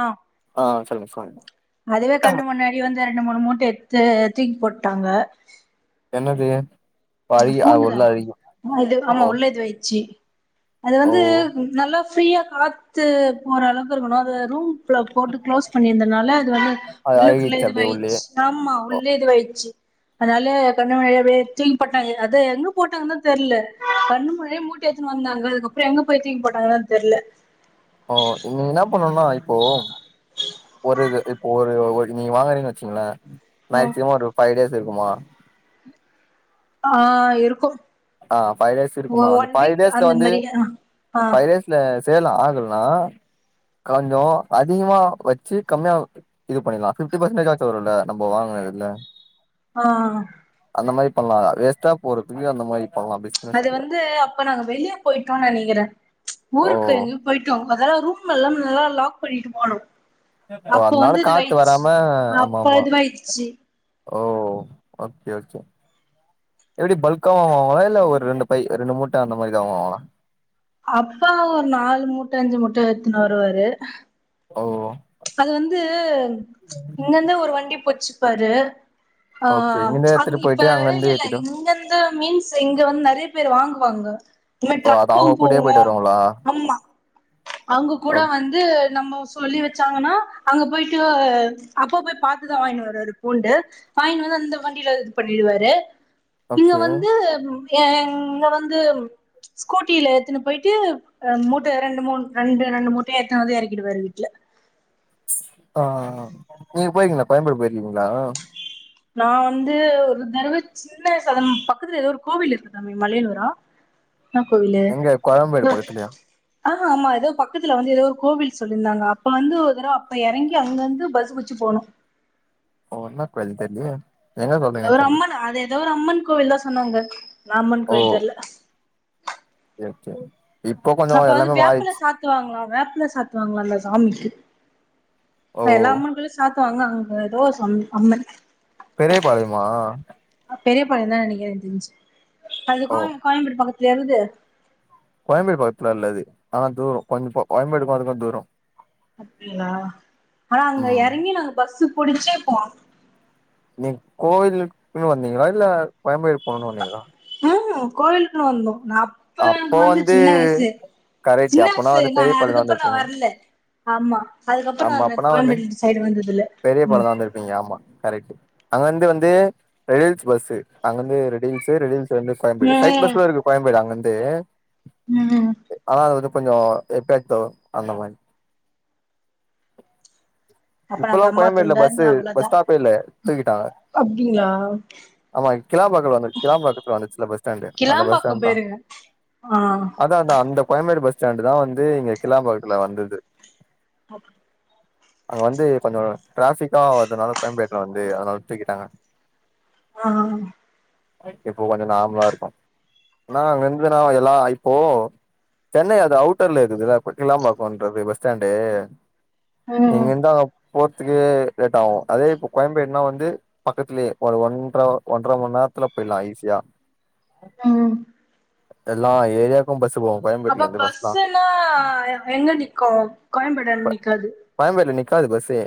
ஆ ஆ சொல்ங்க சொல் அதுவே கண்ணு முன்னாடி வந் ரெண்டு மூணு மூட்டை எடுத்து தூக்கி போட்டாங்க என்னது ஆ அழுகி அ உள்ள பூண்டுதா அழுகி ஆமா இது ஆமா ஓ உள்ளே இதுவாயிடுச்சு அது ஓ வந்து நல்லா ஃப்ரீயா காத்து போற அளவுக்கு இருக்கணு அது ரூம் அப்ல போட்டு க்ளோஸ் பண்ணிருந்தனால அது வந்து அது உள்ளுக்குள்ள அழுகிச்சு அப்டியே உள்ளயே இதுவாயிடுச்சு ஆமா ஓ உள்ளே இதுவாயிடுச்சு அதனா கொன்ஜ நேரோ போட்டாங்க அத எங்க போட்டாங்கதா தெர்ல கண்ணு மொழியே மூட்டி எத்துனு வந்தாங்க அதுக்கப்புறோ எங்க போய தூக்கி போட்டாங்க தா தெர்ல ஓ நீங்க என்ன பண்ணுனா இப்போ ஒரு இது இப்போ ஒரு ஒரு நீங்க வாங்கறீனு வச்சீங்களே மேக்சிமம் ஒரு ஃபைவ் டேஸ் இருக்குமா ஆ இருக்கு ஆஹ் பஃபைவ் டேஸ் இருக்குமா ஒரு அந்த ஒன் பைவ் வீக் டேஸ்ல அந்த வந்து மாரி ஆ ஆ பைவ் டேஸ்ல சேர்ல ஆகலனா கான்ஞ்சம் அதிகமா வச்சு கம்மியா இது பண்ணலாம் பிப்டி பர்சன்ேஜ ஆும் வரும்ல நம்ம வாங்கின இதுல ஆஹ் அந்த மாரி பண்ணலா வேஸ்டா போறதுக்கு அந்த மாதிரி அது வந்து அப்ப நாங்க வெளியே போயிட்டோ நினைக்கிற ஓ ஊருக்கு எங்கயோ போயிட்டோ அதெல்லா ரூம் எல்லா நல்லா லாக் பண்ணிட்டு போகணு அ அதனால காத்து வராம ஆம அப்ப ஆமா இதுவாயிடுச்சு ஓ ஓகே ஓகே எப்படி பல்க்க வாங்களா இல்ல ஒரு ரெண்டு ப ரெண்டு மூட்ட அந்த மாரி தா வாங்களா அப்பா ஒரு நாலு மூட்ட அஞ்சு மூட்டை எத்துன்னு வருவாரு ஓ அது வந்து இன்னந்த ஒரு வண்டி போச்சு பரு ஓகே ஆஹ இங்கந்து அ எடுத்துட்டு இப்ப போயிட்டு அங்கந்து இல்லல்ல ஏத்திட்டு இங்கந்து மீன்ஸ் இங்க வந்து நிறைய பேர் வாங்க வாங்கு அம்ம ஓ அது டிரக்கு அவங்க கூடயே போவோ போயிட்டு வருவாங்களா ஆமா அங்க ஓ கூட வந்து நம்ம சொல்லி வச்ச ச்சாங்கன்னா அங்க போயிட்டு அப்ப போய் பார்த்துதா வாங்கின் வருவாரு பூண்டு வங்கின் வந்து அந்த வண்டியில இது பண்ணிடுவாரு இங்க ஓகே வந்து எங்க வந்து ஸ்கூட்டியில ஏத்துன்னு போயிட்டு மூட்ட ரெண்டு மூன் ரெண்டு ரெண்டு மூட்டையா ஏத்துன்னு வந்து எறக்கிடுவாரு வீட்டுல ஆஹ் நீங்க போயிருகீங்கலா கோயம்பேடு போயிருக்கீங்களா நா வந்து ஒரு தருவ சின்ன சேலம் பக்கத்துல ஏதோ ஒரு கோவில் இருக்கு தம்பி மலையனுறா எங்க கோயம்பேடு பக்கத்துலையா ஆஹா ஆமா ஏதோ பக்கத்துல வந்து ஏதோ ஒரு கோவில் சொல்லியிருந்தாங்க அப்ப வந்து ஒரு தறவ அப்ப எறங்கி அங்க வந்து பஸ் புட்சி போணோ ஓ என்ன கோவில் தெர்லியே அது ஒரு அம்மன் அது எது ஏதோ ஒரு அம்மன் கோவில் தா சொன்னாங்க நா அம்மன் கோயில்ன்னு தெர்ல செரி அப்ப வந்து வேப்பல சாத்துவாங்களா ல சாத்துவாங்களா அந்த சாமிக்கு ஓ எல்லா அம்மன்களு சாத்து கங்க அங்க ஏதோ சொன்ன அம்மன் பெரிய பாளையமா பெரிய பாளையம் தான நெனைக்கிறே எனக்கு தெரிஞ்சி ஓ அதுக்கோ எங்க கோயம்பேடு பக்கத்துல இங்கயா கீது கோயம்பேடு பக்கத்துல இல்ல அது ஆனா தூரோ கொஞ்சோ கோ கோயம்பேடுக்கும் அதுக்கோ தூரோ அப்டிங்களா ஆனா அங்க ம் எறங்கி நாங்க பஸ்சு புடிச்சே போம் நீ கோயிலுக்குன்னு வந்தீங்களா இல்ல கோயம்பேடு போனுன்னு வந்தீங்களா உஹா கோயிலுக்குன்னு வந்தோம் நா அப்ப எனக்கு வந்து சின்ன வயசு கரெக்ட் சின்ன அப்பனா வயசுல வந்து வந்த பெரிய ஆனா பாளையம் அதுக்கப்புறோ நா வந்திருப்பீங்க வரலே ஆமா அதுக்கப்புறோ ஆமா நா அப்பனா வந்து கோயம்பேடு சைடு வந்ததில்ல பெரிய பாளம் தா வந்திருப்பீங்க ஆமா கரெட்டு அங்க வந்து வந்து ரெடில்ஸ் பஸ்சு அங்கிருந்து ரெடில்ஸ்சு ரெடில்ஸ் வந்து கோயம்பேடு ம் ஸ்ட்ரைட் பஸ் கூட இருக்கு கோயம்பேடு அங்கந்து ம் ம் தே ஆனா அது வந்து கொஞ்சோ எப்பாத்தோ அந்த மாரி அப்ப நா இப்பல்லா தம்மா கோயம்பேட்ல துண்டா பஸ்சே இருந்தே பஸ் அவ்ளோதா ஸ்டாப்பே இல்ல தூக்கிட்டாங்க அப்டிங்களா ஆமா கிலாம்பாக்கல வந்து கிலாம்பாக்கத்துல வந்துச்சுல்ல பஸ் ஸ்டாண்டு அந்த பஸ் கிளாம்பாக்கம் ஸ்டான்தாஅத்தா போயிருங்க ஆ அத்தா அந்த கோயம்பேடு பஸ் ஸ்டேண்டுதா வந்து இங்க கிலாம்பாக்கத்துல வந்தது அப் அங்க வந்து கொஞ்சோ டிராஃபிக்கா வருதனால கோயம்பேட்ல வந்து அதனால தூக்கிட்டாங்க அ அ இப்போ கொஞ்சோ நார்மலா இருக்கு ஆனா அங்க இருந்து நா எல்லா இப்போ சென்னை அது அவுட்டர்ல இருக்குதுல்ல இப்ப கிளாம்பாக்கோன்றது பஸ் ஸ்டாண்டு ம் இங்கிந்து அ போற்துக்கே லேட் ஆவு அதே இப்போ கோய்ம்பேட்னா வந்து பக்கத்துலியே ஒரு ஒன்ற்ர ஒன்ற்ர மண் நேர்த்துல போய்லா ஈஸியா ம் எல்லா ஏரியாக்கு பஸ் போகு கோயம்பேட்ல அப்ப இருந்து பஸ்லா பஸ்ஸுன்னா எ எங்க நிக்கு கோயம்பேடான்ட நிக்காது கோயம்பேட்ல நிக்காது பஸ்ஸே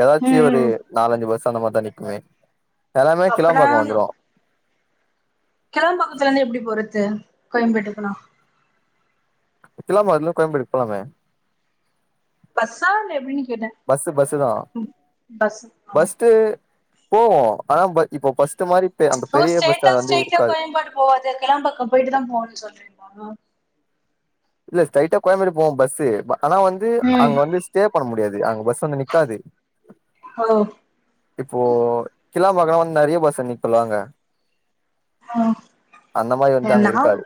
எதாச்சு ம் ஒரு ம் நாலஞ்சு பஸ் அந்த மாரிதா நிக்குமே எல்லாமே அப்பனா கிலம்பாக்கோ வந்துருவோ கிளாம்பாக்கத்துல இந்து எப்டி போறத்து கோயம்பேட்டுக்குன்னா கிளாம்பாகத்துல இந்து கோயம்பேடுக் போலாமே பஸ்ஸா இல்ல எப்டினு கேட்டன் பஸ் பஸ்ஸு தா ம் பஸ்ஸு அ போவு ஆனா ப இப்போ பஸ் மாரி பெ அந்த ஓ பெரிய ஸ்டைட்டா ஸ்டாண்ட் வந்து ஸ்டைட்டா இருக்காது கோயம்பேடு போவாது கிளாம்பாக்கம் போய்ட்டு தா போனு சொல்றிங்ளா இல்ல ஸ்டெட்டா கோயம்பேடு போவு பஸ்ஸு ஆனா வந்து ம் அங்க வந்து ஸ்டே பண்ண முடியாது அங்க பஸ் வந்து நிக்காது ஓ இப்போ கிளா ம்பாக்கோனா வந்து நெறிய பஸ்ஸு நிக்கோல அங்க ம் என்னாவு இருக்காது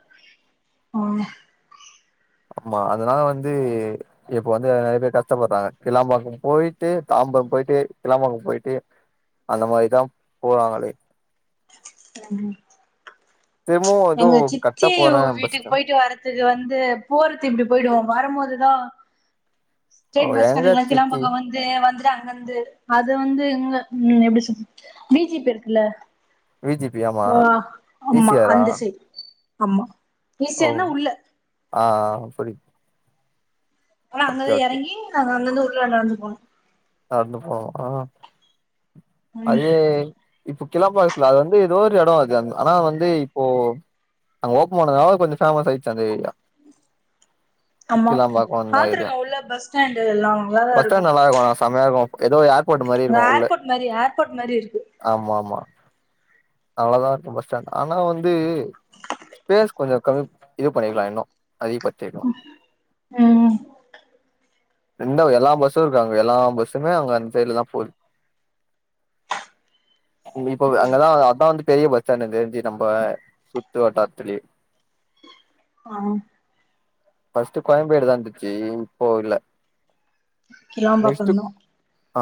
ம் ஆமா அதனால வந்து இப்ப வந்து நெறைய பேர் கஷ்டப்படுறாங்க கிலாம்பாக்கம் போய்ட்டு தாம்பரம் போய்ட்டு கிலாம்பாக்கம் போய்ட்டு அந்த மாரிதா போறாங்களே ம் ம் ச்ச திரும்பவு ஏதோ எங்க கட்ட சித்தி உ போறே பஸ் வீட்டுக் ஸ்டாண்ட் போயிட்டு வரத்துக்கு வந்து போறது இப்டி போய்டுவோம் வரும்போது ல ஓ ஸ்டெரைட் பஸ் எங்க [unintelligible] சித்தி கிளாம்பாக்கம் வந்து வந்து அங்கந்து அது வந்து இங்க ம் எப்டி சொல்ல [unintelligible] விஜிபி இருக்குல்ல வி ஜி பி ஆமா அ ஈ ஆமா சி ஆரா அந்த சைட் ஆமா இ சி ஆர் நா உள்ள அ அப்டி ஆனா அங்கதா எறங்கி அங்கந்து ஒ உள்ள நந்து போணு நட்ந்து போணு அ ம் அது இப்போ கிளம்பம்பக்கத்துல அது வந்து எதோ ஒரு எட அது ஆனா வந்து இப்போ அங்க ஓபன் பண்ணதுனால கொஞ்சோ ஃபேமஸ் ஆயிடுச்சு அந்த ஏரியா ஆமா கிளாம்பாக்கோ அந்த ஏரியா பாத்துருக்கே உள்ள பஸ் ஸ்டாண்டு் எல்லா நல்லாதா இருக்கு [unintelligible] எதோ ஏர் இந்த ஏர்போர்ட் மாரி ஏர்போர்ட் மாரி இருக்கு ஆமா ஆமா நல்லாதா இருக்கு பஸ் ஸ்டாண்ட் ஆனா வந்து ஸ்பேஸ் கொஞ்சோ கம்மிப் இது பண்ணிக்கலா இன்னு அதிக ப ம் இந்த எல்லா பஸ்ஸு இருக்கு அங்க எல்லாம் பஸ்ஸுமே அங்க அந்த சைட்ல தா போகுது இப்ப ம் அங்கதா அதா வந்து பெரிய பஸ் ஸ்டாண்ட் இது தெரிஞ்சி நம்ப சுற்று வட்டாரத்திலியே ஆ ஆ ஃபஸ்ட்டு கோயம்பேடு தா இருந்துச்சி இப்போ இல்ல நெக்ஸ்ட் கிளம்பாக்கம் தா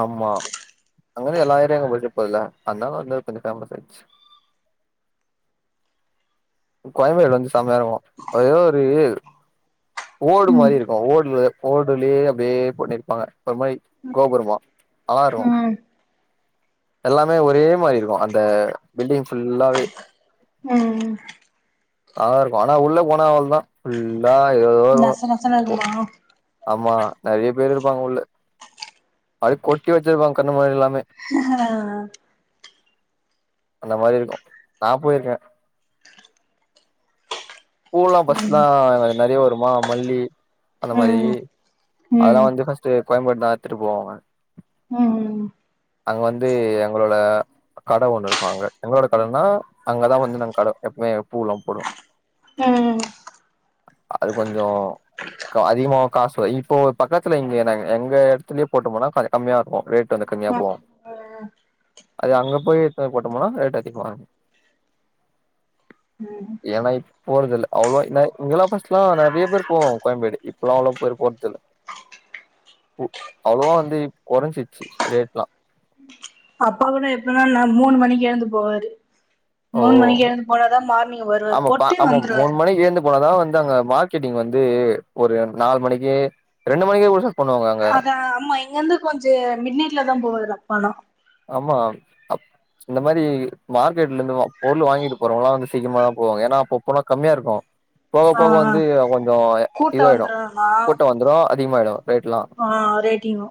ஆமா அங்கருந்து எல்லா ஏரியாக்கு பஸ்க்கு போய்றலா அதனால வந்து கொஞ்சோ ஃபேமஸ் ஆயிடுச்சு கோயம்பேடு வந்து செமயாருக்கு ஒரே ஒரு ஓடு ம் மாரி இருக்கு ஓடுல ஓடுலயே அப்டியே பண்ணி இருப்பாங்க ஒரு மாரி கோபுரமா நல்லாருக்கு ம் எல்லாமே ஒரே மாரி இருக்கு அந்த பில்டிங் ஃபுல்லாவே ம் அழகாருக்கு ஆனா உள்ள போனா அவ்ளோ தா ஃபுல்லா ஏதேதோ நச இருக்கு நசன்னு இருக்குமா ஆமா நெறைய பேரு இருப்பாங்க உள்ள அப்டி கொட்டி வச்சிருப்பாங்க கண்ணு முன்னாடி எல்லாமே ஆ அந்த மாரி இருக்கு நா போயிருக்கே பூயெல்லாம் ஃபர்ஸ்ட்லா ம் நறைய வருமா மல்லி அந்த மாரி ம் அதெல்லா ம் வந்து ஃபஸ்ட்டு கோயம்பேடு தா எத்துட்டு போவாங்க ம் ம் அங்க வந்து எங்களோட கடை ஒண்ணு இருப்பாங்க எங்களோட கடைன்னா அங்கதான் வந்து நா கடை எப்பவுமே பூவெல்லாம் போடுவோம் அது கொஞ்சோ க அதிகமா காசுவ இப்போ பக்கத்துல இங்க எங்க எடத்துலயே போட்டமுனா கொஞ்ச கம்மியா இருக்கு ரேட் ட்டந்து கம்மியா போம் அது அங்க போய் போட்டோமுனா ரேட்டு எத்திக்குவாங்க ம் ஏன்னா இப் போறதில்ல அவ்ளோவா நா இங்கெல்லாம் ஃபர்ஸ்ட்லா நறைய பேர் போவோம் கோயம்பேடு இப்பல்லா அவ்ளோ பேர் போறதில்ல பூ அவ்வளவா வந்து கொறஞ்சிடுச்சி ரேட் எல்லா அப்பா கூட எப்பனா நா மூணு மணிக்கு எழுந்து போவாரு மூணு மணிக்கு எழுந்து போனாதா மாறு ஆமா பா ஆமா மூணு மணிக்கு எழுந்து போனதா வந்து அங்க மார்க்கெட்டிங் வந்து ஒரு நாலு மணிக்கு ரெண்டு மணிக்கே கூ [unintelligible] அதா ஆமா இங்கருந்து கொஞ்சம் மிட் நைட்ல தா போவாருலா படோ ஆமா அ இந்த மாரி மார்க்கெட்ல இருந்து பொருள் வாங்கிட்டு போறவங்கல்லா வந்து சீக்கரமாதா போவாங்க ஏன்னா அப்ப போனா கம்மியா இருக்கு போக ஆ போக ஆ வந்து கொஞ்ச கூட்ட இதுவாயிடு வந்துருனா கூட்டோ வந்துரு அதிகமாயிடு ரேட்லா ஆ ரேட்டிங்க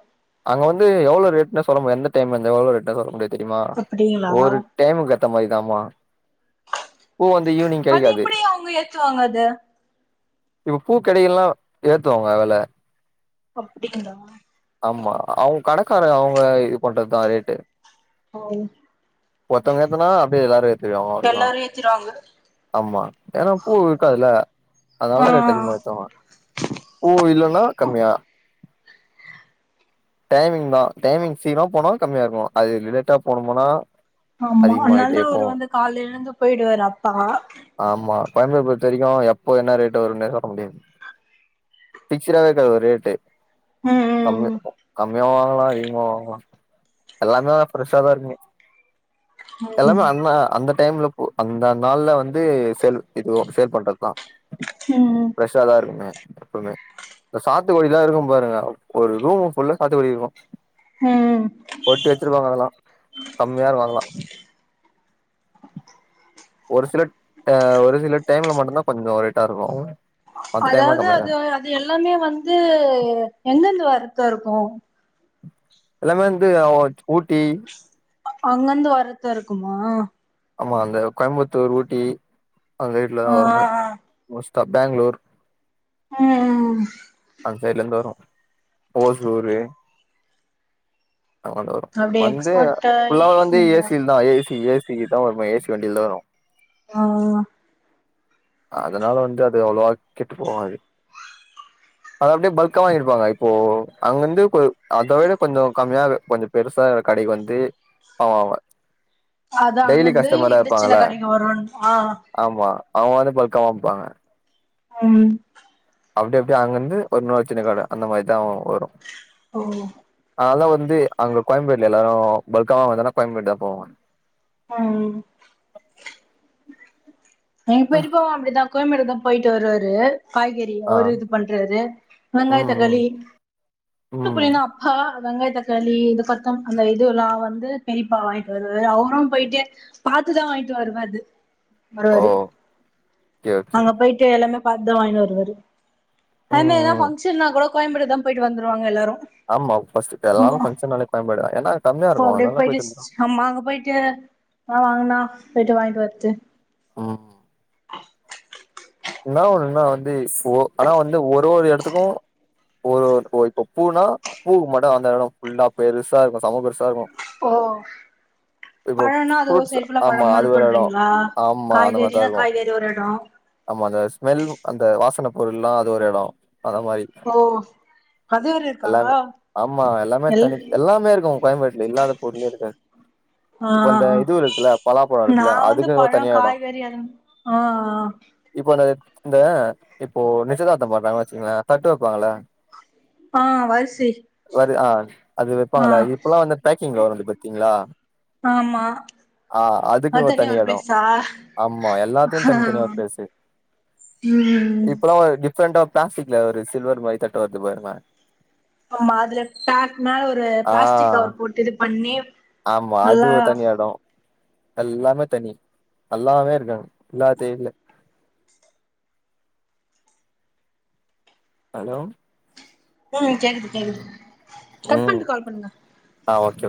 எவ்வளோ ரேட்னு சொல்ல எந்த டைம் வந்து எவ்ளோ ரேட்னு சொல்ல முடியாது தெரியுமா அப்டிங்களா ஒரு டைமு கட் அட்ட மாரிதாமா பூ வந்து ஈவினிங் அது கெடைக்காது எப்படி அவங்க ஏத்துவாங்க அத இப்ப பூக்கடைகலா ஏத்துவாங்க வெல அப்டிங்களா ஆமா அவங்க கடக்கார அவங்க இது பண்றதா ரேட்டு ஓ ஒருத்தவங்க ஏத்துனா அப்டியே எல்லாரு ஏத் த்திருவாங்க அவ்ளோதா எல்லாரு ஏத்திருவாங்க ஆமா ஏன்னா பூ இருக்காதுல அதனால ஆ தா ரேட் ஆ அதிகமாக ஏத்துவாங்க பூ இல்லன்னா கம்மியா டைமிங் தா டைமிங் சீக்கிரமா போனா கம்மியாருக்கு அது லேட்டா போனமுனா ஆமா அதனால தா அவரு வந்து காலை எழுந்து போயிடுவாரு அப்பா கோயம்பேடு பொறுத்த வரைக்கு எப்போ என்ன ரேட்டு வரும்னே சொல்ல முடியாது ஃபிக்ஸ்டாவே இருக்காது ஒரு ரேட்டு உம் கம் கம்மியாவு வாங்கலா அதிகமா வாங்கலா எல்லாமே ஃப்ரெஷ்ஷாதா இருக்குமங்க ம் எல்லாமே அ அந்த டைம்ல உ அந்த நாள்ல வந்து சேல் இதுவு சேல் பண்றதா ம் ஃப்ரஷாதா இருக்குமே எப்பவுமே இந்த சாத்துக்குடிலா இருக்கு பாருங்க அ ஒரு ரூம் புல்லா சாத்துக்குடி இருக்கு ம் போட்டி வச்சிருக்காங்க அதலா கம்மியா இருக்கு அதலா ஒரு சில ஆ ஒரு சில டைம்ல மட்டு தா கொஞ்சோ ரேட்டாயிருக்கு அதாவது அது அது எல்லாமே வந்து எங்கருந்து வரத்த இருக்கு ஒ எல்லாமே வந்து ஊட்டி அங்கந்து வரதா இருக்குமா ஆமா அங்க கோயம்புத்தூர் ஊட்டி அங்க வீட்டுல தா ஆ வருமே மோஸ்ட் ப பெங்களூர் ம் ம் ம் அந்த சைட்லேருந்து வரு ஓசூரு [unintelligible] வரும் அப்டி வந்து எக்ஸ்போர்ட் ஆயி ஃபுல்லா வந்து இங்க ஏசியில தா ஏசி ஏசி ச தா வரு ஏசி வண்டியில தா வரு ஆ அதனால வந்து அது அவ்ளவா கெட்டுப்போவாது அத அப்டியே பல்க்கா வாங்கிருப்பாங்க இப்போ அங்கருந்து கொ ஆ அத விட கொஞ்சோ கம்மியா கொஞ்சோ பெருசாருக்குற கடைக்கு வந்து [unintelligible] அதா டெய்லி அங்கிருந்து கஸ்டமரா இந்த சின்ன இருப்பாங்கல்ல கடைக்கு வருவாங்களா அவுங்க வந்து பல்கா வாங்கிப்பாங்க உம் அப்படி அப்படி அங்கந்து ஒரு இன்னொரு சின்ன கட அந்த மாரிதா வாங்குவாங்க வரும் ஓ அதா வந்து வந்து அங்க கோயம்பேடுல எல்லாரோ பல்கா வாங்க தானா கோயம்பேடு தா போவாங்க ம் எ பெரியப்பாவோ அப்படிதா கோயம்பேடுதா போயிட்டு வருவாரு காய்கறி ஆ அவரு இது பண்றாரு வெங்காயோ ம் ம் தக்காளி மூத்த ம் பையனா அப்பா வெங்காய தக்காளி இது கொத்தம் அந்த இது எல்லாம் வந்து பெரியப்பா வாங்கிட்டு வருவாரு அவுரோ போயிட்டு பாத்துதா வாங்கிட்டு வருவாரு ஓ வருவாறு ஓகே ஓகே அங்க போயிட்டு எல்லாமே பார்த்துதா வாங்கினு வருவாறு ம் அதேமாரி எதனா ம் பங்க்ஷன்னா கூட கோயம்பேடுதா போயிட்டு வந்துருவாங்க எல்லாரும் ஆமா பர்ஸ்ட் எல்லாரோ பங்க்ஷனாலே கோயம்பேடு ஏன்னா அங்க கம்மியா இப்போ இருக்கோ அப்டியே நல்லா போயிட்டு வந்துருவாங்க ஆமா அங்க போயிட்டு ஆ வாங்கண்ணா போயிட்டு வாங்கிட்டு வரட்டு ம் என்ன ஒண்ணுனா வந்து ஆனா வந்து ஒரு ஒரு எடத்துக்கோ ஒரு இப்ப பூனா பூவுக்கு மட்டும் அந்த இடம் ஃபுல்லா பெருசா இருக்கோ சம பெருசா இருக்கோ ஓ பழம்னா அது ஃப்ரூட்ஸ் சரிஃல்ல ஆமா பழமா அது ஒரு எடோ இருக்கும்ன்றீங்களா ஆமா அந்த மாரிதா காய்கறினா இருக்கு காய்கறி ஒரு எடோ ஆமா அந்த ஸ்மெல் அந்த வாசனை பொருள்லா அது ஒரு எடோ அந்த மாரி ஓ அது வேற இருக்கா எல்லாமே ஆமா எல்லாமே எல் தனி எல்லாமே இருக்கோ கோயம்பேட்ல இல்லாத பொருளே இருக்காது ஆ இப்ப ஆ இந்த ஆ இது இருக்குல்ல பலாப்பழம் நா இருக்குல்ல வந்து அதுக்குமே பழோ தனியா எடோ காய்கறி அது ஆ இப்போ அது இந்த இப்போ நிச்சயதார்த்தம் பண்றாங்க வச்சுங்களேன் தட்டு வெப்பாங்கல்ல ஆ வரிசை அது ஆ வைப்பாங்கல இப்பல்லாம் வந்து பேக்கிங்ல வரும் பாத்தீங்களா ஆமா ஆ அது அதுக்குனு ஒரு தனியா தனி இடம் பிளேஸா ஆமா எல்லாத்துக்கு ஆ தனி தனியா ப்ளேசு ம் இப்பல்லா டிஃப்ரெண்டா பிளாஸ்டிக்ல ஒரு சில்வர் மாரி தட்டு வருது பாருங்க ஆமா அதுல பேக் மேல ஒரு ஆ பிளாஸ்டிக் கவர் போட்டு இது பண்ணி ஆமா அது நல்லா ஒரு தனி எடோ எல்லாமே தனி நல்லாவே இருக்காது என்னா தெர்ல ஹலோ ம் கேக்குது கேக்குது கட் ம் பண்ணிட்டு கால் பண்ணுங்க ஆ ஓகே ஒகே